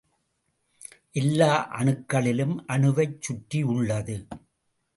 எல்லா அணுக்களிலும் அணுவைச் சுற்றியுள்ளது.